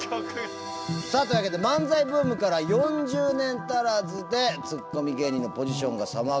さあというわけで漫才ブームから４０年足らずでツッコミ芸人のポジションが様変わりしましてですね